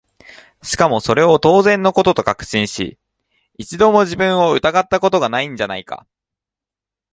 しかもそれを当然の事と確信し、一度も自分を疑った事が無いんじゃないか？